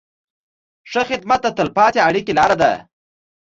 ښه خدمت د تل پاتې اړیکې لاره ده.